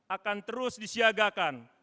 akan terus disiagakan